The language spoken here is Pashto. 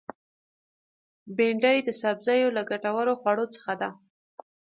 بېنډۍ د سبزیو له ګټورو خوړو څخه ده